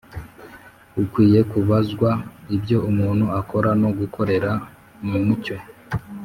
Ukwiye kubazwa ibyo umuntu akora no gukorera mu mucyo